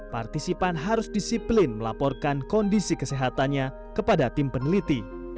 partisipan harus disiplin melaporkan kondisi kesehatannya kepada tim peneliti